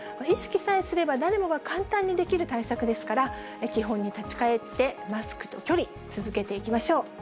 意識さえすれば、誰もが簡単にできる対策ですから、基本に立ち返って、マスクと距離、続けていきましょう。